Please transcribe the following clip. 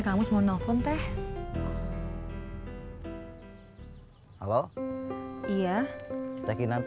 langsung ke rumah teh kinasi